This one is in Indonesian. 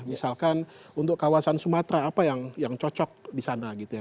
misalkan untuk kawasan sumatera apa yang cocok di sana gitu ya